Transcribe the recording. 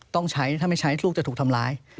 ต้องใช้ถ้าไม่ใช้ลูกจะถูกทำร้าย